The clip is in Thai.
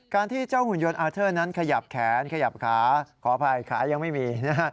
ที่เจ้าหุ่นยนต์อาเทอร์นั้นขยับแขนขยับขาขออภัยขายังไม่มีนะฮะ